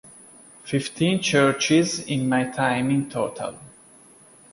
Fifteen churches in my time in total.